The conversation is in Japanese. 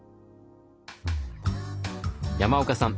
山岡さん